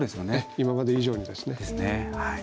今まで以上にですね。